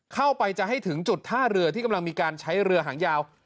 เข้าไปจะให้ถึงจุดท่าเรือที่กำลังมีการใช้เรือหางยาว